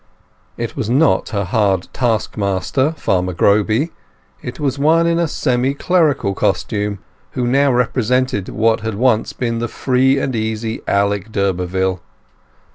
It was not her hard taskmaster, Farmer Groby; it was one in a semi clerical costume, who now represented what had once been the free and easy Alec d'Urberville.